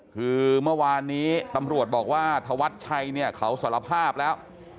คือเมื่อวานนี้ตำรวจบอกว่าธวัดชัยเนี่ยเขาสารภาพแล้ว